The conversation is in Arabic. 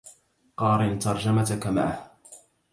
قارن ترجمتك معهُ